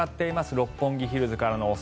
六本木ヒルズからのお空。